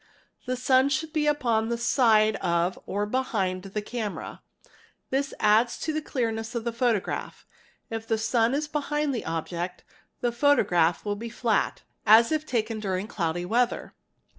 The sun should be upon the side of or behind the camera. This adds to the clearness of the photograph ; if the sun is behind the object, the photograph will be flat, as if taken during cloudy weather.